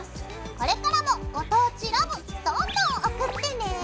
これからも「ご当地ＬＯＶＥ」どんどん送ってね！